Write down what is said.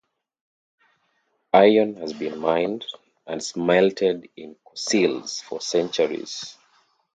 Iron has been mined and smelted in Corcelles for centuries.